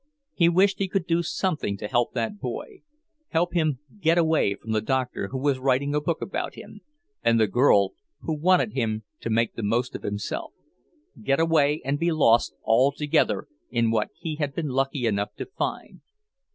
He wished he could do something to help that boy; help him get away from the doctor who was writing a book about him, and the girl who wanted him to make the most of himself; get away and be lost altogether in what he had been lucky enough to find.